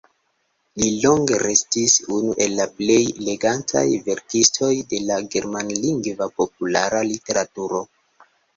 Li longe restis unu el la plej legataj verkistoj de la germanlingva populara literaturo.